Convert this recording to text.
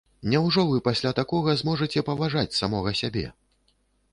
Няўжо вы пасля такога зможаце паважаць самога сябе?